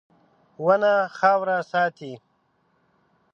• ونه خاوره ساتي.